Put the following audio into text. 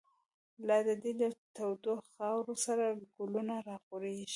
لاددی دتودوخاورو، سره ګلونه راغوړیږی